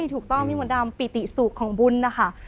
ใช่ถูกต้องพี่มณฑ์ดำปิติสูกของบุญนะคะ